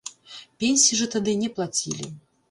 Пенсій жа тады не плацілі.